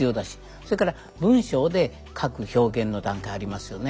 それから文章で書く表現の段階ありますよね。